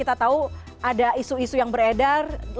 atau ada isu isu yang beredar